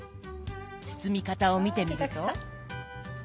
包み方を見てみると。